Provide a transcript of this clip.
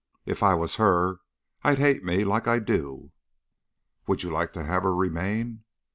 If I was her I'd hate me, like I do." "Would you like to have her remain?"